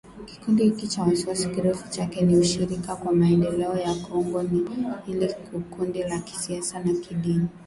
kikundi hiki cha waasi kirefu chake ni 'Ushirika kwa maendeleo ya Kongo' ni kundi la kisiasa na kidini ambalo linadai linawakilisha maslahi ya kabila la walendu